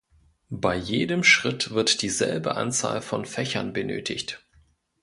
Bei jedem Schritt wird dieselbe Anzahl von Fächern benötigt.